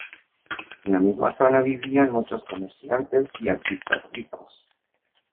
En la misma zona vivían muchos comerciantes y artistas ricos.